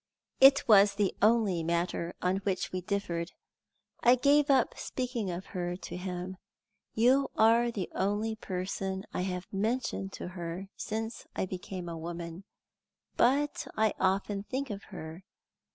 It was the only matter on which we differed. I gave up speaking of her to him. You are the only person I have mentioned her to since I became a woman; but I often think of her.